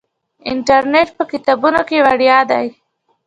انټرنیټ په کتابتون کې وړیا دی.